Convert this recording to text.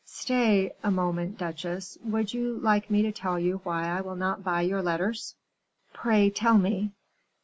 "Stay a moment, duchesse; would you like me to tell you why I will not buy your letters?" "Pray tell me."